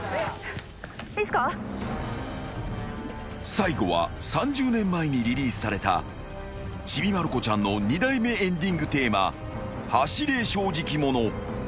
［最後は３０年前にリリースされた『ちびまる子ちゃん』の二代目エンディングテーマ『走れ正直者』］